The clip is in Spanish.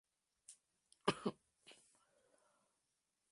La catedral tiene una arquitectura de estilo neogótico.